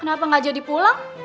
kenapa gak jadi pulang